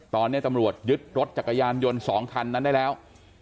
ตอนนี้ตำรวจยึดรถจักรยานยนต์๒คันนั้นได้แล้ว